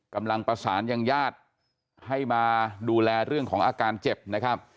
กำลังประสานยังญาติให้มาดูแลเรื่องของอาการเจ็บนะครับ